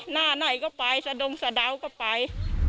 หน้าไหนก็ไปสะดงสะดาวก็ไป